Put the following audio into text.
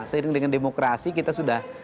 sering dengan demokrasi kita sudah selalu berpikir